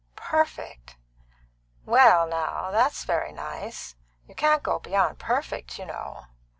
"Perfect!" "Well, now, that's very nice; you can't go beyond perfect, you know.